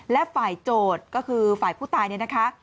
และฝ่ายโจทย์ก็คือฝ่ายผู้ตายเนี่ยนะคะ